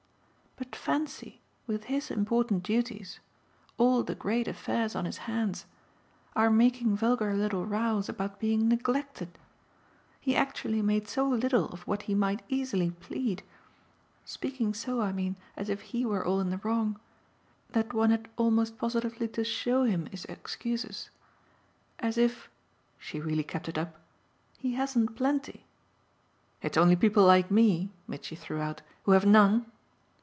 But fancy, with his important duties all the great affairs on his hands our making vulgar little rows about being 'neglected'! He actually made so little of what he might easily plead speaking so, I mean, as if he were all in the wrong that one had almost positively to SHOW him his excuses. As if" she really kept it up "he hasn't plenty!" "It's only people like me," Mitchy threw out, "who have none?"